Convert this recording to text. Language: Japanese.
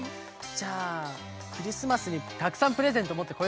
じゃあクリスマスにたくさんプレゼントもってこようかな？